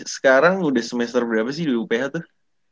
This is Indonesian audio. sekarang udah semester berapa sih di uph tuh